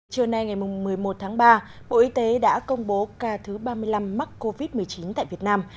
trưa nay ngày một mươi một tháng ba bộ y tế đã công bố ca thứ ba mươi năm mắc covid một mươi chín tại việt nam